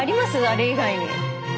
あれ以外に。